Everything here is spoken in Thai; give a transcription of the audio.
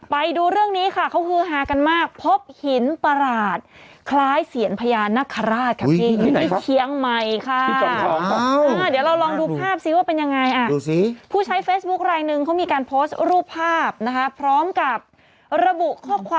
ไปดูตามเสาไฟฟ้าอะไรอย่างนี้ค่ะใกล้ก็จะแบบเล็กแล้วสูงก็คือ